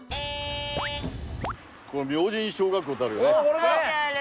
明神小学校ってあるよね。